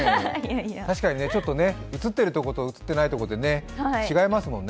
確かに映ってるとこと映っていないところって違いますもんね。